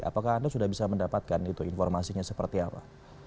apakah anda sudah bisa mendapatkan itu informasinya seperti apa